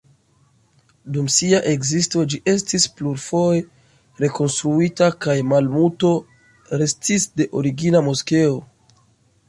Dum sia ekzisto ĝi estis plurfoje rekonstruita, kaj malmulto restis de origina moskeo.